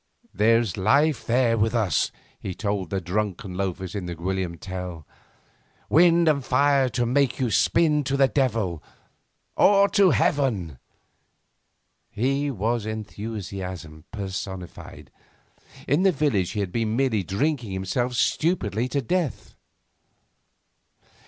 'There's life up there with us,' he told the drunken loafers in the 'Guillaume Tell,' 'wind and fire to make you spin to the devil or to heaven!' He was enthusiasm personified. In the village he had been merely drinking himself stupidly to death.